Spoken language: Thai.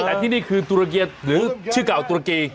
แต่ที่นี่คือตุรเกียรหรือชื่อเก่าตุรกี